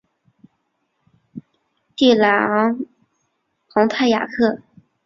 蒂朗蓬泰雅克。